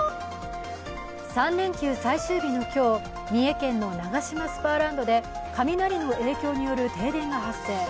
３連休最終日の今日、三重県のナガシマスパーランドで雷の影響による停電が発生。